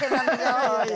はい。